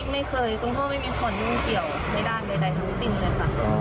ไม่เคยคุณพ่อไม่มีคนยุ่งเกี่ยวไม่ได้ในใดทั้งสิ่งเลยครับ